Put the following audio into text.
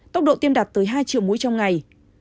tốc độ tiêm đạt tới hai triệu mũi trong ngày